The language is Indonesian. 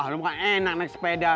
oh lu buka rabbit naik sepeda